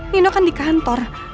nino kan di kantor